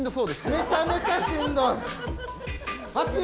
めちゃめちゃしんどい。